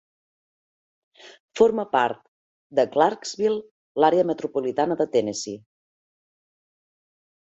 Forma part de Clarksville, l'àrea metropolitana de Tennessee.